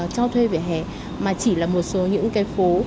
cho thuê vỉa hè mà chỉ là một số những cái phố